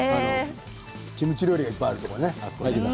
キムチ料理がいっぱいあるところね。